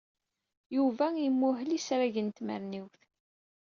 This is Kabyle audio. Yuba imuhel isragen n tmerniwt.